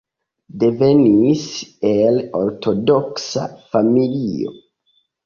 Devenis el ortodoksa familio.